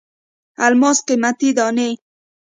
الماسو قیمتي دانې.